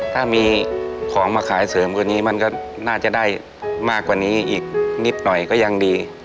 ถ้ามีของมาขายเสริมกว่านี้มันก็น่าจะได้มากกว่านี้อีกนิดหน่อยก็ยังดี